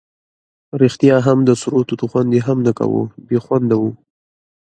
ریښتیا هم د سرو توتو خوند یې هم نه کاوه، بې خونده وو.